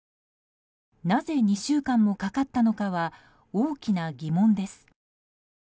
なぜ２週間もかかったのかは大きな疑問です。